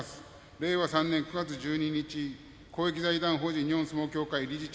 令和３年９月１２日公益財団法人日本相撲協会理事長